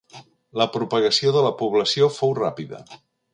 La propagació de la població fou ràpida.